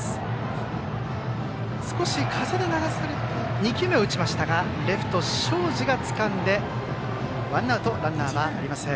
２球目を打ちましたがレフト、東海林がつかんでワンアウトランナーありません。